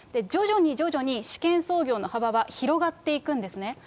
徐々に徐々に試験操業の幅は広がっていくんですね。